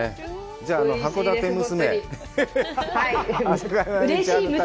じゃあ、函館娘。